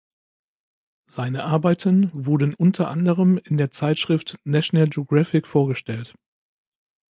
Seine Arbeiten wurden unter anderem in der Zeitschrift National Geographic vorgestellt.